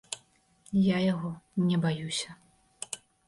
Я яго не баюся!